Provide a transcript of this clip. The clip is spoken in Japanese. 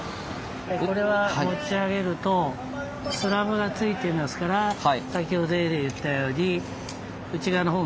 これは持ち上げるとスラブがついていますから先ほどより言ったように内側のほうが重いので。